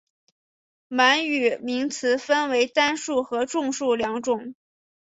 满语名词分成单数和众数两种。